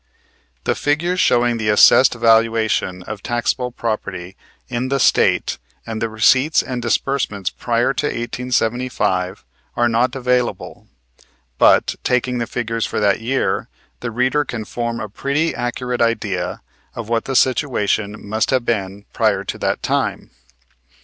The figures showing the assessed valuation of taxable property in the State and the receipts and disbursements prior to 1875 are not available, but, taking the figures for that year, the reader can form a pretty accurate idea of what the situation must have been prior to that time.